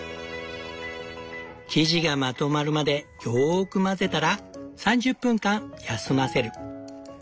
生地がまとまるまでよく混ぜたら３０分間休ませる。